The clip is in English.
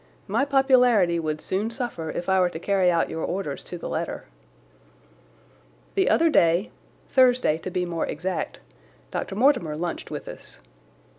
My popularity would soon suffer if I were to carry out your orders to the letter. The other day—Thursday, to be more exact—Dr. Mortimer lunched with us.